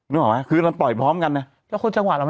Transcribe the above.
นึกออกมั้ยคือเราปล่อยพร้อมกันนะ